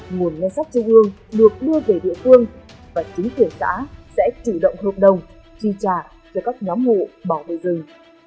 nguồn ngân sách trung ương được đưa về địa phương và chính quyền xã sẽ chủ động hợp đồng chi trả cho các nhóm hộ bảo vệ rừng